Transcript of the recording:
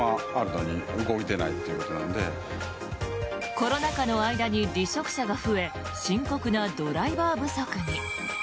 コロナ禍の間に離職者が増え深刻なドライバー不足に。